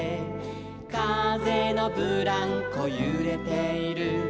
「かぜのブランコゆれている」